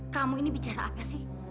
kamu ini bicara apa sih